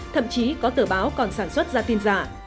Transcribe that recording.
thậm chí có tờ báo còn sản xuất ra tin giả